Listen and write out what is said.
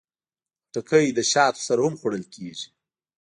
خټکی له شاتو سره هم خوړل کېږي.